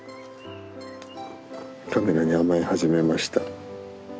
カメラに甘え始めました。